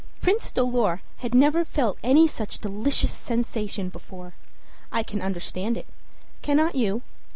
Prince Dolor had never felt any such delicious sensation before. I can understand it. Cannot you?